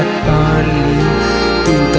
เฟ้อดนมันด้านรักให้ใจมุ่งมัน